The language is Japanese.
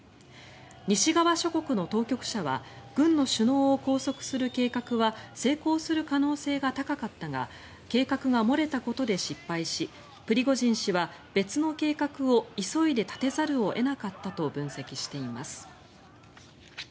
西側諸国の当局者は軍の首脳を拘束する計画は成功する可能性が高かったが計画が漏れたことで失敗しプリゴジン氏は別の計画を急いで立てざるを得なかったと分析しています。